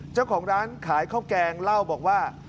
เจ้าของร้านขายข้าวแกงเล่าบอกว่า